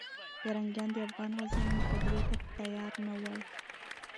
پرنګیانو د افغان غازیانو مقابلې ته تیار نه ول.